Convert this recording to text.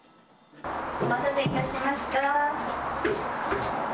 お待たせいたしました。